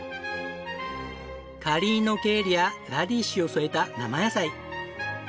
カリーノケールやラディッシュを添えた生野菜。